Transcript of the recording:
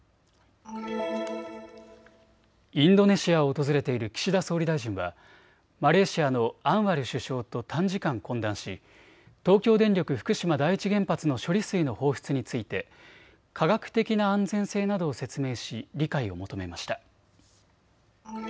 インドネシアを訪れている岸田総理大臣はマレーシアのアンワル首相と短時間、懇談し東京電力福島第一原発の処理水の放出について科学的な安全性などを説明し理解を求めました。